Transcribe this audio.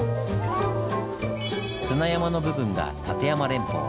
砂山の部分が立山連峰。